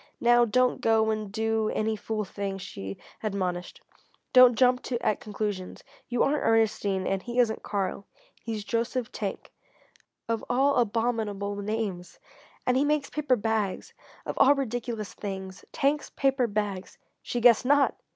"Now don't go and do any fool thing," she admonished. "Don't jump at conclusions. You aren't Ernestine, and he isn't Karl. He's Joseph Tank of all abominable names! And he makes paper bags of all ridiculous things! Tank's Paper Bags!" she guessed _not!